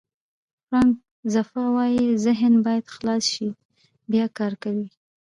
فرانک زفا وایي ذهن باید خلاص شي بیا کار کوي.